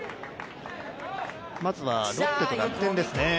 まずはロッテと楽天ですね。